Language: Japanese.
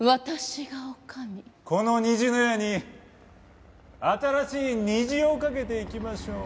この虹の屋に新しい虹をかけていきましょう。